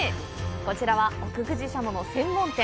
こちらは奥久慈しゃもの専門店。